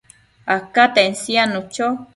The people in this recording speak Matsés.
acaten siadnu cho